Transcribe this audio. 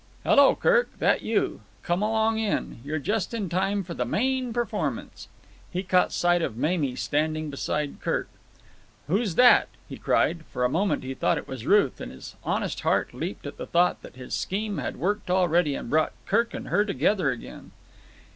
"Hello, Kirk. That you? Come along in. You're just in time for the main performance." He caught sight of Mamie standing beside Kirk. "Who's that?" he cried. For a moment he thought it was Ruth, and his honest heart leaped at the thought that his scheme had worked already and brought Kirk and her together again.